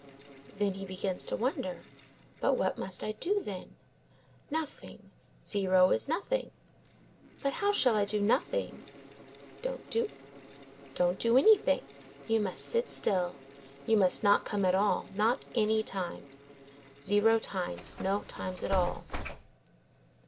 Then he begins to wonder. "But what must I do, then?" "Nothing; zero is nothing." "But how shall I do nothing?" "Don't do anything. You must sit still. You must not come at all, not any times. Zero times. No times at all."